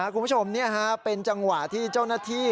คุณผู้ชมเป็นจังหวะที่เจ้าหน้าที่